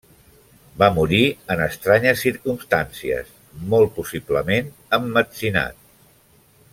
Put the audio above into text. Va morir en estranyes circumstàncies, molt possiblement emmetzinat.